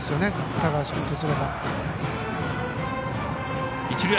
高橋君とすれば。